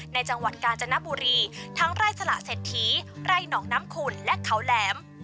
จังหวัดกาญจนบุรีทั้งไร่สละเศรษฐีไร่หนองน้ำขุ่นและเขาแหลม